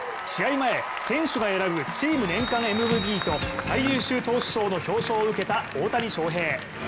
前選手が選ぶチーム年間МＶＰと最優秀投手賞の表彰を受けた大谷翔平。